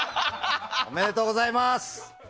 おめでとうございます！